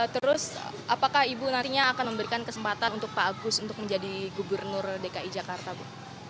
terus apakah ibu nantinya akan memberikan kesempatan untuk pak agus untuk menjadi gubernur dki jakarta bu